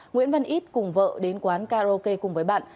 nguyễn văn ít cùng vợ đến quán karaoke cùng với bạn